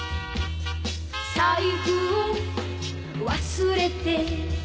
「財布を忘れて」